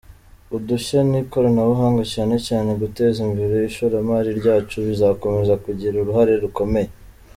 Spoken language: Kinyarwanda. Udushya n’ikoranabuhanga, cyane cyane guteza imbere ishoramari ryacu bizakomeza kugira uruhare rukomeye.